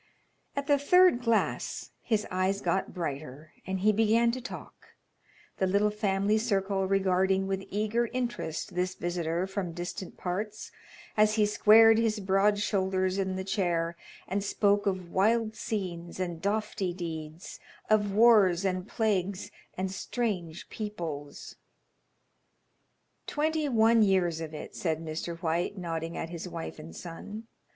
At the third glass his eyes got brighter, and he began to talk, the little family circle regarding with eager interest this visitor from distant parts, as he squared his broad shoulders in the chair and spoke of wild scenes and doughty deeds; of wars and plagues and strange peoples. "Twenty one years of it," said Mr. White, nodding at his wife and son.